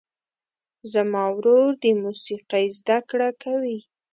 زما ورور د موسیقۍ زده کړه کوي.